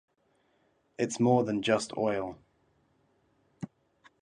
It's More Than Just Oil.